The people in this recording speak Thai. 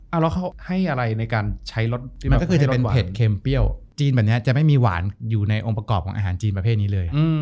เอาแล้วเขาให้อะไรในการใช้รสมันก็คือจะเป็นเผ็ดเค็มเปรี้ยวจีนแบบนี้จะไม่มีหวานอยู่ในองค์ประกอบของอาหารจีนประเภทนี้เลย